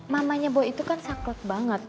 mamanya boy itu kan saklek banget